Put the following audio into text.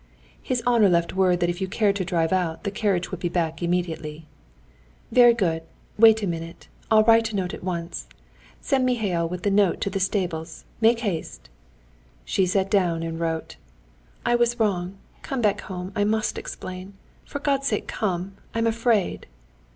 "His honor left word that if you cared to drive out, the carriage would be back immediately." "Very good. Wait a minute. I'll write a note at once. Send Mihail with the note to the stables. Make haste." She sat down and wrote: "I was wrong. Come back home; I must explain. For God's sake come! I'm afraid."